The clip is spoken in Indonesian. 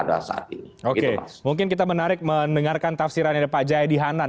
oke mungkin kita menarik mendengarkan tafsiran pak jaedi hanan